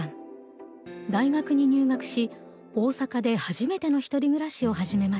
大学に入学し大阪で初めての１人暮らしを始めました。